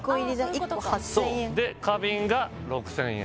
花瓶が６０００円